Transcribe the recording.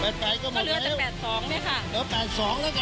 โดนแล้วค่ะ๘๘